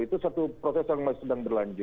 itu satu proses yang masih sedang berlanjut